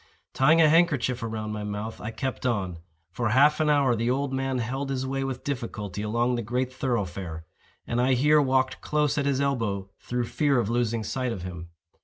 Tying a handkerchief about my mouth, I kept on. For half an hour the old man held his way with difficulty along the great thoroughfare; and I here walked close at his elbow through fear of losing sight of him.